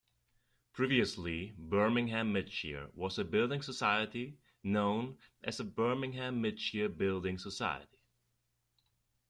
Previously, Birmingham Midshires was a building society, known as the Birmingham Midshires Building Society.